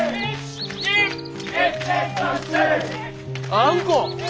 あんこ！